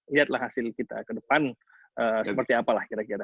lihatlah hasil kita ke depan seperti apalah kira kira